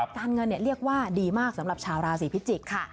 การเงินเรียกว่าดีมากสำหรับชาวราศีพิจิกษ์ค่ะ